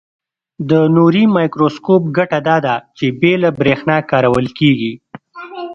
د نوري مایکروسکوپ ګټه داده چې بې له برېښنا کارول کیږي.